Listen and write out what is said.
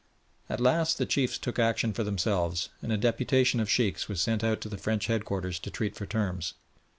At last the chiefs took action for themselves, and a deputation of Sheikhs was sent out to the French headquarters to treat for terms.